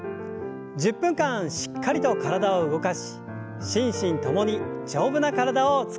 １０分間しっかりと体を動かし心身ともに丈夫な体を作りましょう。